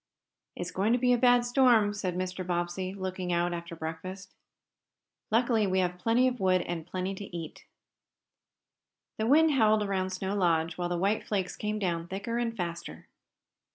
"It's going to be a bad storm," said Mr. Bobbsey, looking out after breakfast. "Luckily we have plenty of wood and plenty to eat." The wind howled around Snow Lodge while the white flakes came down thicker and faster.